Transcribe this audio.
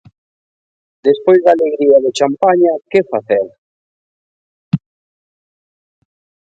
Despois da alegría e do champaña que facer?